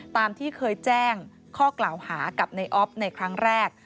ตามที่เคยแจ้งข้อกล่าวหากับในออฟในครั้งแรก